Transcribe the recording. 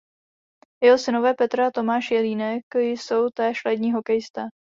Jeho synové Petr a Tomáš Jelínek jsou též lední hokejisté.